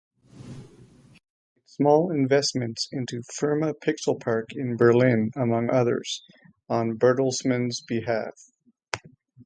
He made small investments into Firma Pixelpark in Berlin among others, on Bertelsmann's behalf.